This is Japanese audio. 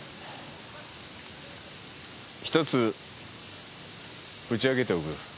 １つ打ち明けておく。